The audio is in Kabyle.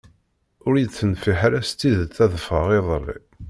Ur yi-d-tenfiḥ ara s tidet ad ffɣeɣ iḍelli.